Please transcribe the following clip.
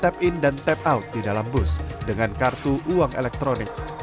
tap in dan tap out di dalam bus dengan kartu uang elektronik